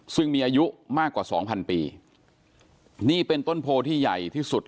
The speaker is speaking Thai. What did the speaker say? ซึ่งมีอายุมากกว่าสองพันปีนี่เป็นต้นโพที่ใหญ่ที่สุด